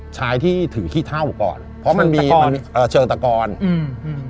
ชายที่ถือขี้เท่าก่อนเพราะมันมีมันมีเอ่อเชิงตะกอนอืม